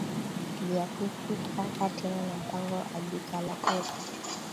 Bya ku kata tena ma mpango abikalakeko